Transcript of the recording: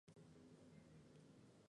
Este valle fue el cráter del volcán.